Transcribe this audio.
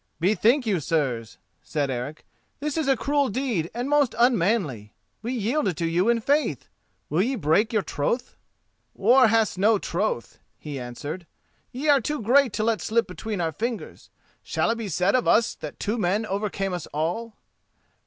"Bethink you, sirs," said Eric: "this is a cruel deed and most unmanly. We yielded to you in faith—will ye break your troth?" "War has no troth," he answered, "ye are too great to let slip between our fingers. Shall it be said of us that two men overcame us all?"